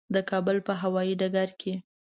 د کابل په هوایي ډګر کې.